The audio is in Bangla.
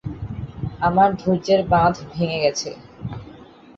আমার ধৈর্যের বাঁধ ভেঙে গেছে।